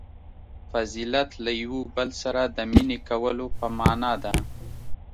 • فضیلت له یوه بل سره د مینې کولو په معنیٰ دی.